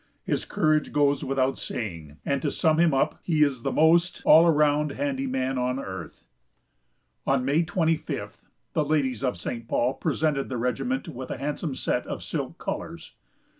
His courage goes without saying, and, to sum him up, he is the most all around handy man on earth. On May 25th the ladies of St. Paul presented the regiment with a handsome set of silk colors.